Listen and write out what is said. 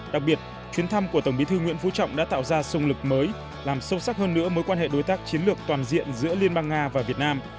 đặc biệt chuyến thăm của tổng bí thư nguyễn phú trọng đã tạo ra sung lực mới làm sâu sắc hơn nữa mối quan hệ đối tác chiến lược toàn diện giữa liên bang nga và việt nam